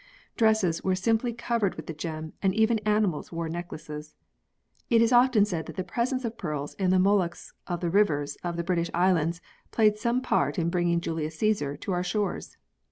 Dresses were simply covered with the gem and even animals wore necklaces. It is often said that the presence of pearls in the molluscs of the rivers of the British Islands, played some part in bringing Julius Caesar to our shores.